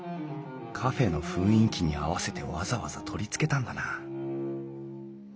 カフェの雰囲気に合わせてわざわざ取り付けたんだな